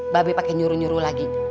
be pake nyuru nyuru lagi